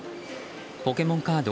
ポケモンカード